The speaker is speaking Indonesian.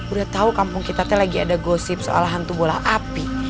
udah tahu kampung kita lagi ada gosip soal hantu bola api